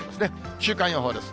週間予報です。